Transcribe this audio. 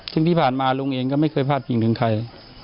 ซึ่งที่ผ่านมาลุงเองก็ไม่เคยพลาดพิงถึงใคร